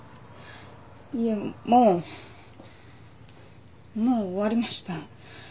いえもうもう終わりました。